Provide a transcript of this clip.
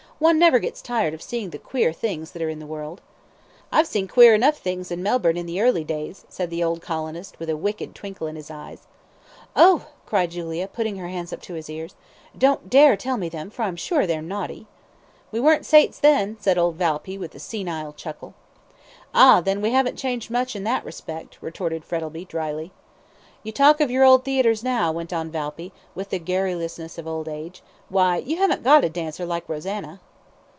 "One never gets tired of seeing the queer things that are in the world." "I've seen queer enough things in Melbourne in the early days," said the old colonist, with a wicked twinkle in his eyes. "Oh!" cried Julia, putting her hands up to her ears, "don't tell me them, for I'm sure they're naughty." "We weren't saints then," said old Valpy, with a senile chuckle. "Ah, then, we haven't changed much in that respect," retorted Frettlby, drily. "You talk of your theatres now," went on Valpy, with the garrulousness of old age; "why, you haven't got a dancer like Rosanna."